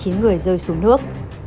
ba mươi chín người rơi xuống nước